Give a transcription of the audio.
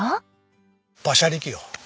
馬車力よ。